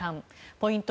ポイント